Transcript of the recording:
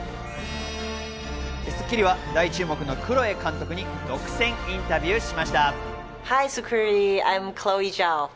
『スッキリ』は大注目のクロエ監督に独占インタビューしました。